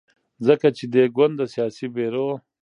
ځکه چې دې ګوند د سیاسي بیرو